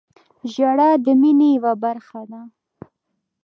• ژړا د مینې یوه برخه ده.